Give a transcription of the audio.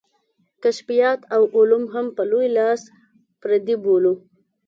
کشفیات او علوم هم په لوی لاس پردي بولو.